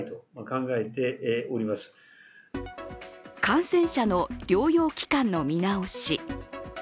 感染者の療養期間の見直し。